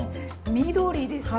緑ですよ。